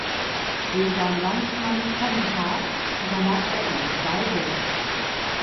Gegen seinen Landsmann Tommy Haas unterlag er in zwei Sätzen.